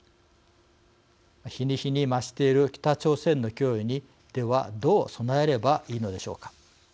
日に日に増している北朝鮮の脅威にでは、どう備えればいいのでしょうか。